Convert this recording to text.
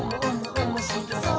おもしろそう！」